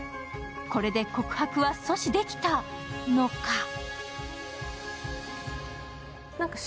これで告白は阻止できたのか？